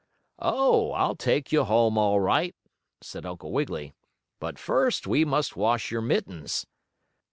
"Oh, I'll take you home all right," said Uncle Wiggily. "But first we must wash your mittens."